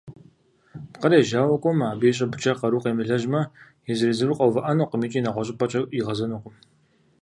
Пкъыр ежьауэ кӏуэмэ, абы и щӏыбкӏэ къару къемылэжьмэ, езыр-езыру къэувыӏэнукъым икӏи нэгъуэщӏыпӏэкӏэ игъэзэнукъым.